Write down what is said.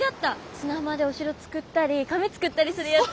砂浜でお城作ったり亀作ったりするやつ。